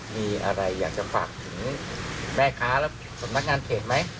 มีอะไรอยากจะฝากถึงแม่ค้าและสำนักงานเขตไหม